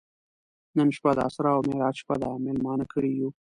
نن شپه د اسرا او معراج شپه ده میلمانه کړي یو.